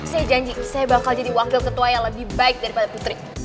saya janji saya bakal jadi wakil ketua yang lebih baik daripada putri